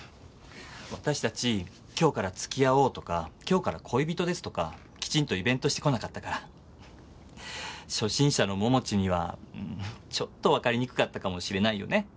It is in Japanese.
私たち「今日から付き合おう」とか「今日から恋人です」とかきちんとイベントしてこなかったから初心者の桃地にはうーんちょっとわかりにくかったかもしれないよね。